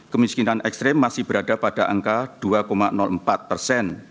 kemiskinan ekstrim masih berada pada angka dua empat persen